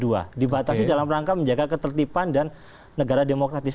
dibatasi oleh dua puluh delapan j dua dibatasi dalam rangka menjaga ketertiban dan negara demokratis